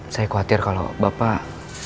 saya khawatir kalau bapak